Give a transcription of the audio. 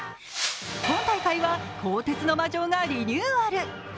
今大会は鋼鉄の魔城がリニューアル。